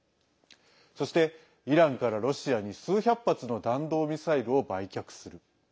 そして、イランからロシアに数百発の弾道ミサイルを売却する。